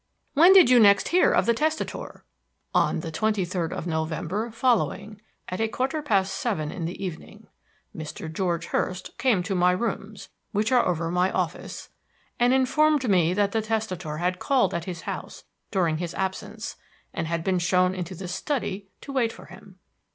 "When did you next hear of the testator?" "On the twenty third of November following at a quarter past seven in the evening. Mr. George Hurst came to my rooms, which are over my office, and informed me that the testator had called at his house during his absence and had been shown into the study to wait for him.